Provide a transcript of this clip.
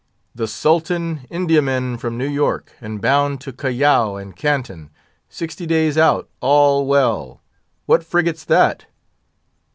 "The Sultan, Indiaman, from New York, and bound to Callao and Canton, sixty days out, all well. What frigate's that?"